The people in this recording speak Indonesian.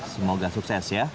semoga sukses ya